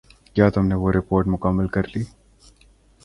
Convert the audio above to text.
کیا تم نے وہ رپورٹ مکمل کر لی؟